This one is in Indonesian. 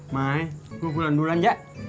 mai mau bulan bulan jack